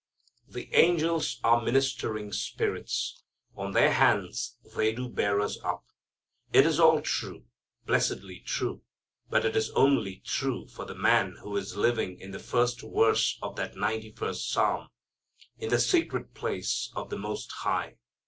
The angels are ministering spirits. On their hands they do bear us up. It is all true, blessedly true. But it is only true for the man who is living in the first verse of that ninety first psalm, "in the secret place of the most High."